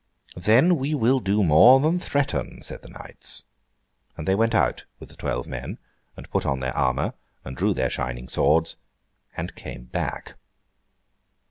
'Then we will do more than threaten!' said the knights. And they went out with the twelve men, and put on their armour, and drew their shining swords, and came back.